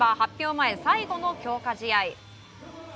前最後の強化試合。